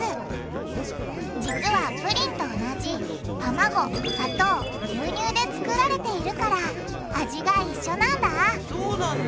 実はプリンと同じたまご砂糖牛乳で作られているから味がいっしょなんだそうなんだ。